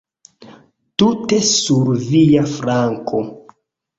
Tute sur via flanko.